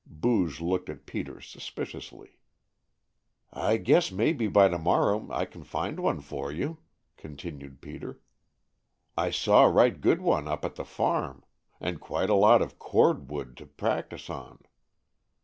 Booge looked at Peter suspiciously. "I guess maybe by to morrow I can find one for you," continued Peter. "I saw a right good one up at the farm. And quite a lot of cord wood to practise on."